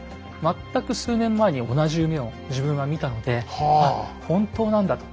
全く数年前に同じ夢を自分は見たのであっ本当なんだと。